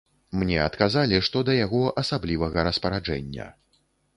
Мне адказалі, што да яго асаблівага распараджэння.